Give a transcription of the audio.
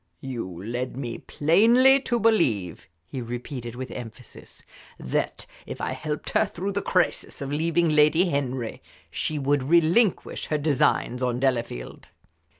"You led me plainly to believe," he repeated, with emphasis, "that if I helped her through the crisis of leaving Lady Henry she would relinquish her designs on Delafield."